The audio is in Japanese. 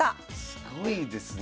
すごいですね。